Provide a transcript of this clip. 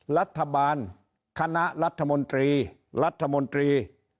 รัฐบาลคณะรัฐมนตรีรัฐมนตรี